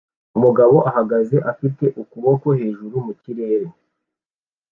Umugabo ahagaze afite ukuboko hejuru mu kirere